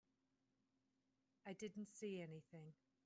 I didn't see anything.